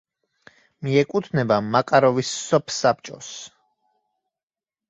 მიეკუთვნება მაკაროვის სოფსაბჭოს.